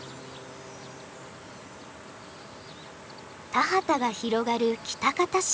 田畑が広がる喜多方市。